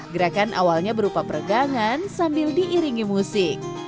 gerakan awalnya berupa peregangan sambil diiringi musik